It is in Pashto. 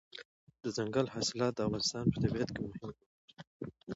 دځنګل حاصلات د افغانستان په طبیعت کې مهم رول لري.